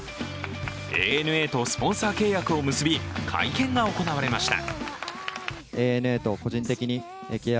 ＡＮＡとスポンサー契約を結び会見が行われました。